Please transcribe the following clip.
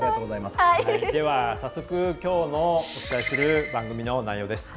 早速、きょうお伝えする番組の内容です。